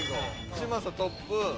嶋佐トップ。